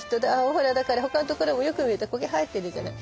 ほらだから他の所もよく見るとコケ生えてるじゃない。